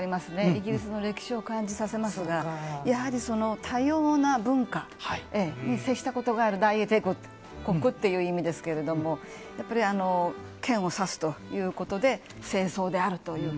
イギリスの歴史を感じさせますがやはり多様な文化に接したことがある大英帝国という意味ですけれどもやっぱり、剣をさすということで正装であるという。